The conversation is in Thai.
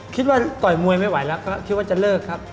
ต่อยมวยไม่ไหวแล้วก็คิดว่าจะเลิกครับ